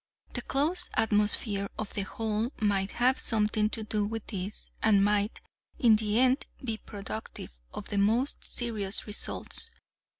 The close atmosphere of the hold might have had something to do with this, and might, in the end, be productive of the most serious results.